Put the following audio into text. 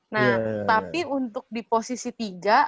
nah tapi untuk di posisi tiga